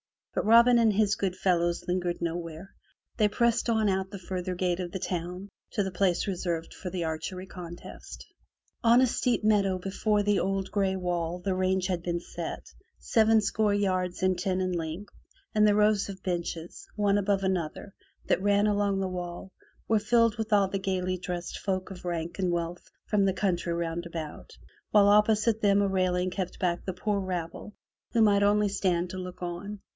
But Robin and his good fellows lingered nowhere. They pressed on out the further gate of the town to the place reserved for the archery contest. On a green meadow before the old gray wall the range had been set, sevenscore yards and ten in length, and the rows of benches, one above another, that ran along the wall, were filled with all the gaily dressed folk of rank and wealth from the country round about, while opposite them a railing kept back the poor rabble, who ^prepare. ^make ready. 54 FROM THE TOWER WINDOW might only stand to look on.